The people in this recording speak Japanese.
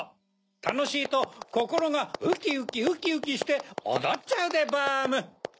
たのしいとこころがウキウキウキウキしておどっちゃうでバーム！